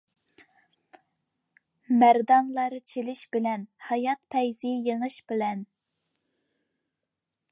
مەردانلار چېلىش بىلەن، ھايات پەيزى يېڭىش بىلەن.